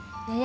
yang lain aja